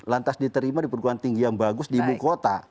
lantas diterima di perguruan tinggi yang bagus di ibu kota